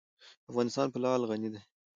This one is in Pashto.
افغانستان په لعل غني دی.